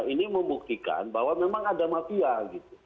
ini membuktikan bahwa memang ada mafia gitu